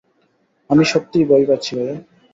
আমি সত্যিই ভয় পাচ্ছি ভাইয়া।